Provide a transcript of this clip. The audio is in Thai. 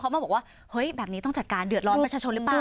เขามาบอกว่าเฮ้ยแบบนี้ต้องจัดการเดือดร้อนประชาชนหรือเปล่า